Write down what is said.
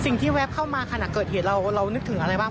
สิ่งที่แว่บเข้ามาขณะเกิดเหตุเราเดี๋ยวเรานึกถึงอะไรบ้าง